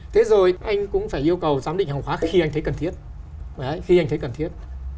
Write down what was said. thế rồi anh cũng phải yêu cầu giám định hàng hóa khi anh thấy cần thiết